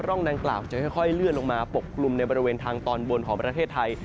ร่องดังกล่าวจะค่อยเลื่อนลงมาปกกลุ่มในบริเวณทางตอนบนของประเทศไทย